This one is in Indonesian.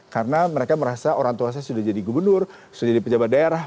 karena mereka merasa orang tuanya sudah jadi gubernur sudah jadi pejabat daerah